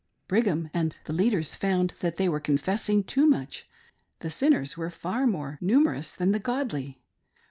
Brigham and the lead ers found that they were confessing too much — the sinners were far more numerous than the godly.